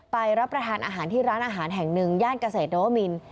รับประทานอาหารที่ร้านอาหารแห่งหนึ่งย่านเกษตรนวมิน